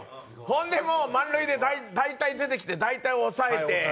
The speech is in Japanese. ほんでもう満塁で大体出てきて大体抑えて。